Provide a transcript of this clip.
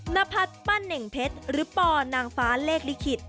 นพัฒน์ปั้นเน่งเพชรหรือปอนางฟ้าเลขลิขิต